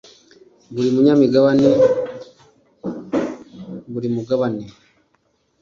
buri munyamigabane buri mugabane